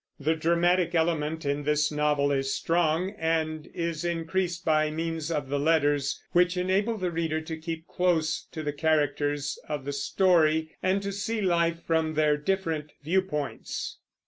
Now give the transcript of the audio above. The dramatic element in this novel is strong, and is increased by means of the letters, which enable the reader to keep close to the characters of the story and to see life from their different view points.